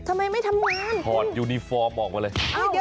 ันทำไมไม่ทำงานไม่ทำงานอรตอห์ทอนิฟอร์มออกมาเลยเอ้า